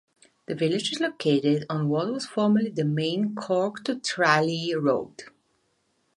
The village is located on what was formerly the main Cork-to-Tralee road.